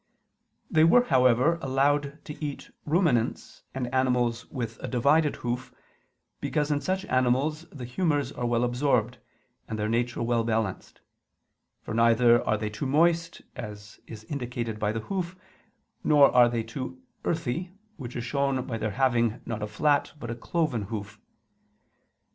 They were, however, allowed to eat ruminants and animals with a divided hoof, because in such animals the humors are well absorbed, and their nature well balanced: for neither are they too moist, as is indicated by the hoof; nor are they too earthy, which is shown by their having not a flat but a cloven hoof.